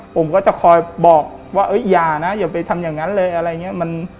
ผมก็จะคอยบอกว่าอย่านะอย่าไปทำอย่างนั้นเลยอะไรอย่างนี้